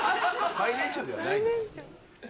最年長ではないんです。